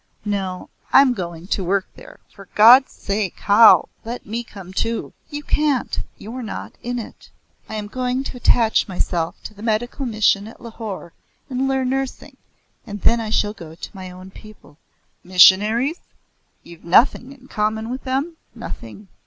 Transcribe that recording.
No, I'm going to work there." "For God's sake, how? Let me come too." "You can't. You're not in it. I am going to attach myself to the medical mission at Lahore and learn nursing, and then I shall go to my own people." "Missionaries? You've nothing in common with them?" "Nothing.